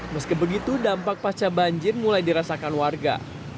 meski begitu dampak pasca banjir mulai dirasakan warga